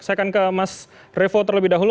saya akan ke mas revo terlebih dahulu